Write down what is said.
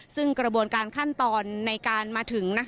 ซึ่งกระบวนการขั้นตอนในการมาถึง